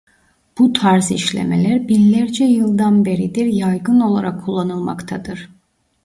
Bu tarz işlemeler binlerce yıldan beridir yaygın olarak kullanılmaktadır.